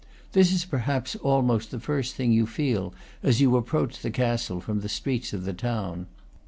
This is perhaps almost the first thing you feel as you ap proach the castle from the streets of the town.